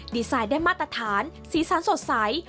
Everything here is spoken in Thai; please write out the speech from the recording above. ดีไซน์ได้มาตรฐานสีสันสดใส